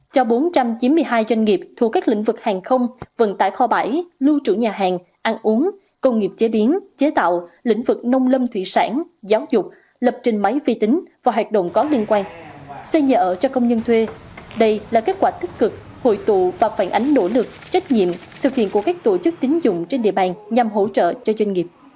cho bốn trăm chín mươi hai doanh nghiệp thuộc các lĩnh vực hàng không vận tải kho bãi lưu trụ nhà hàng ăn uống công nghiệp chế biến chế tạo lĩnh vực nông lâm thủy sản giáo dục lập trình máy vi tính và hoạt động có liên quan xây dựa ở cho công nhân thuê đây là kết quả tích cực hội tụ và phản ánh nỗ lực trách nhiệm thực hiện của các tổ chức tính dụng trên địa bàn nhằm hỗ trợ cho doanh nghiệp